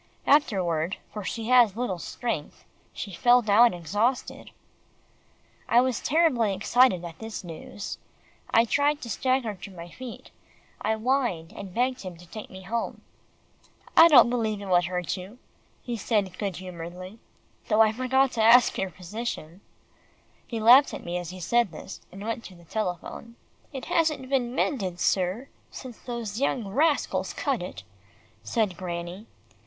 Afterward, for she has little strength, she fell down exhausted." I was terribly excited at this news. I tried to stagger to my feet. I whined, and begged him to take me home. "I don't believe it would hurt you," he said good humouredly, "though I forgot to ask your physician." He laughed at me as he said this, and went to the telephone. "It hasn't been mended, sir, since those young rascals cut it," said Granny.